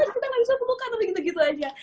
kita gak bisa kebuka tapi gitu gitu aja